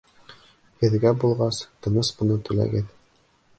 Һеҙгә булғас, тыныс ҡына түләгеҙ.